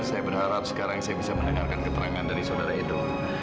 saya berharap sekarang saya bisa mendengarkan keterangan dari saudara edo